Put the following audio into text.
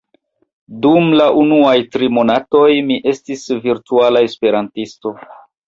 dum la unuaj tri monatoj mi estis virtuala esperantisto